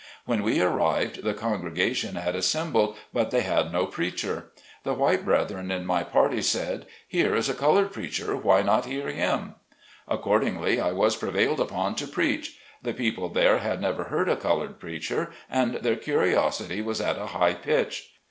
When we arrived the congregation had assembled, but they had no preacher. The white brethren in my party said, " Here is a colored preacher, why not hear him." Accordingly, I was prevailed upon to preach. The people there had never heard a colored preacher, and their curiosity was at a high pitch.